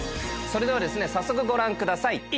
それでは早速ご覧ください。